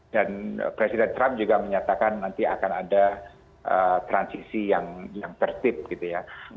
dan presiden trump juga menyatakan nanti akan ada transisi yang tertib gitu ya